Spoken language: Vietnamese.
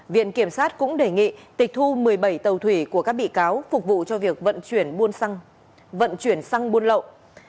viện kiểm sát cũng đề nghị tịch thu một mươi bảy tàu thủy của các bị cáo phục vụ cho việc vận chuyển xăng buôn lậu